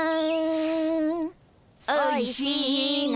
「おいしいな」